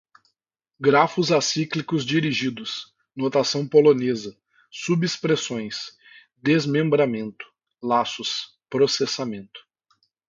grafos acíclicos dirigidos, notação polonesa, subexpressões, desmembramento, laços, processamento